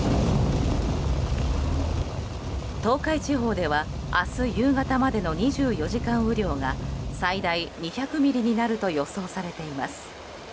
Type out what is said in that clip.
東海地方では明日夕方までの２４時間雨量が最大２００ミリになると予想されています。